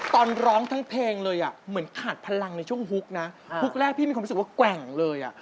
ตอนร้องทั้งเพลงเลยอ่ะเหมือนขาดพลังในช่วงฮุกนะฮุกแรกพี่มีความรู้สึกว่าแกว่งเลยอ่ะ